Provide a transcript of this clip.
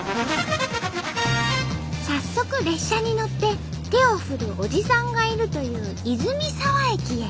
早速列車に乗って手を振るおじさんがいるという泉沢駅へ。